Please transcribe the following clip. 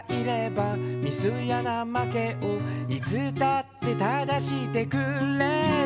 「ミスやなまけをいつだって正してくれる」